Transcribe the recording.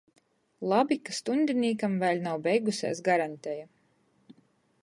Labi, ka stuņdinīkam vēļ nav beigusēs garaņteja!